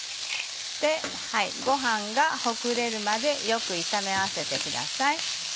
ごはんがほぐれるまでよく炒め合わせてください。